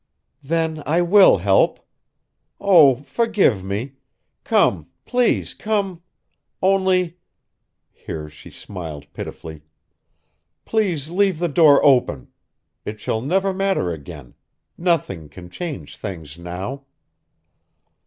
"Then I will help. Oh! forgive me! Come, please, come, only" here she smiled pitifully "please leave the door open! It shall never matter again; nothing can change things now."